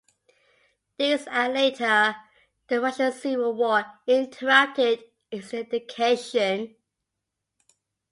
This and later the Russian Civil War interrupted his education.